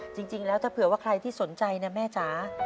จริงแล้วถ้าเผื่อว่าใครที่สนใจนะแม่จ๋า